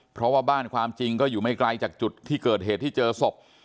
เพราะว่าบ้านความจริงก็อยู่ไม่ไกลจากจุดที่เกิดเหตุที่เจอศพ